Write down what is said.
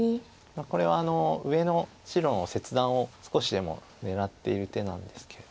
これは上の白の切断を少しでも狙っている手なんですけれど。